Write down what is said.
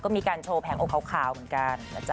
ก็มีการโชว์แผงอกขาวกัน